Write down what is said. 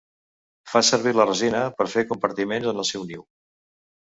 Fa servir la resina per fer compartiments en el seu niu.